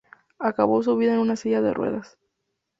Acabó su vida en una silla de ruedas.